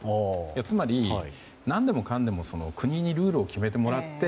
つまり何でもかんでも国にルールを決めてもらって